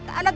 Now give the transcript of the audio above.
ada apa bu